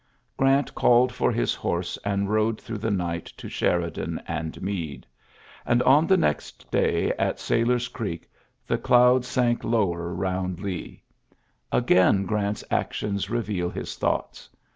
Grant called for his horse, and rode through the night to Sheridan and Meade. And on the next day at Sai lor's Creek the clouds sank lower round XJLYSSES S. GRANT 121 Lee. Again Grant's actions reveal his thonghts.